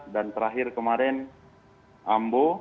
dan terakhir kemarin ambo